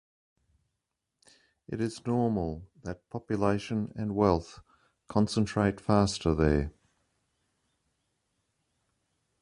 It is normal that population and wealth concentrate faster there.